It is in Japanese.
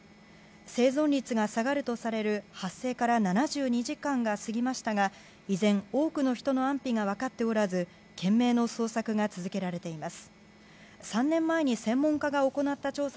生存率が下がるとされる発生から７２時間が過ぎましたが依然、多くの人の安否が分かっておらず懸命の捜索が続けられています。